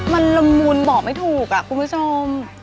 มันละมุนบอกไม่ถูกคุณผู้ชม